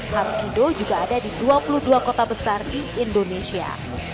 harkido juga ada di dua puluh dua kota besar di indonesia